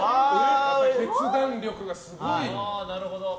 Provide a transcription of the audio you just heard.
決断力がすごい！